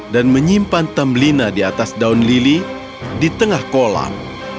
dan menyimpan tambelina di atas daun lili di tengah kolam